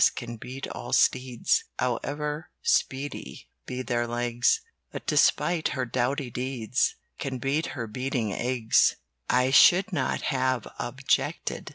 can beat all steeds, However speedy be their legs; But despite her doughty deeds; I can beat her beating eggs, "I should not have objected."